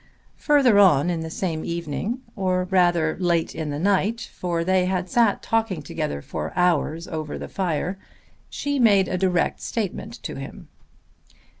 Further on in the same evening, or rather late in the night, for they had then sat talking together for hours over the fire, she made a direct statement to him.